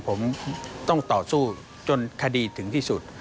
ผมต้องต่อสู้จนคดีถึงที่สุด